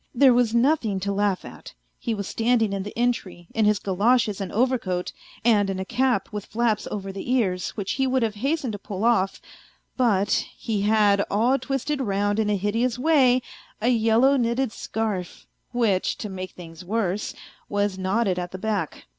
There was nothing to laugh at ; he was standing in the entry, in his goloshes and overcoat, and in a cap with flaps over the ears, which he would have hastened to pull off, but he had, all twisted round in a hideous way, a yellow knitted scarf, which, to make things worse, was knotted at the back.